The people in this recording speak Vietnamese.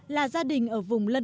là gia đình ở vùng hà tĩnh